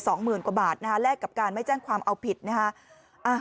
หมื่นกว่าบาทนะฮะแลกกับการไม่แจ้งความเอาผิดนะฮะ